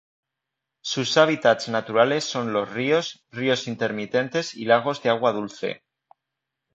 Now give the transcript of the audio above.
Sus hábitats naturales son: los ríos, ríos intermitentes y lagos de agua dulce.